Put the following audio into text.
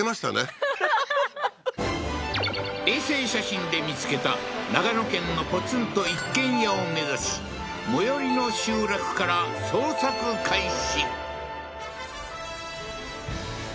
はっ衛星写真で見つけた長野県のポツンと一軒家を目指し最寄りの集落から捜索開始